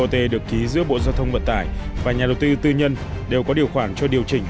bot được ký giữa bộ giao thông vận tải và nhà đầu tư tư nhân đều có điều khoản cho điều chỉnh